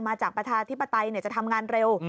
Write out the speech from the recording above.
ประชาธิปไตยจะทำงานเร็ว